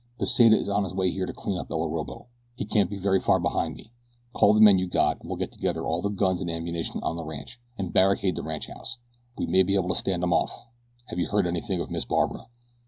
"Pesita is on his way here to clean up El Orobo. He can't be very far behind me. Call the men you got, and we'll get together all the guns and ammunition on the ranch, and barricade the ranchhouse. We may be able to stand 'em off. Have you heard anything of Miss Barbara?"